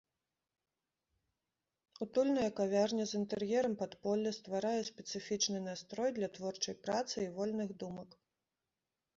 Утульная кавярня з інтэр'ерам падполля стварае спецыфічны настрой для творчай працы і вольных думак.